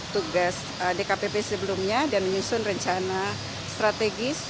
tugas dkpp sebelumnya dan menyusun rencana strategis